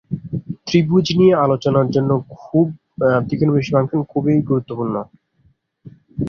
ত্রিভুজ নিয়ে আলোচনার জন্য ত্রিকোণমিতিক ফাংশন খুবই গুরুত্বপূর্ণ।